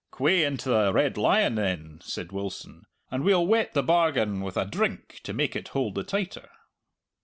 "C'way into the Red Lion then," said Wilson, "and we'll wet the bargain with a drink to make it hold the tighter!"